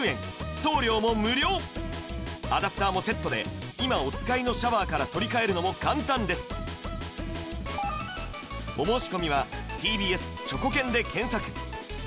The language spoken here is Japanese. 送料も無料アダプターもセットで今お使いのシャワーから取り替えるのも簡単です続いてはいきますうわーっ！